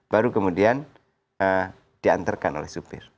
baru kemudian diantarkan oleh supir